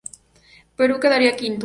Perú quedaría quinto.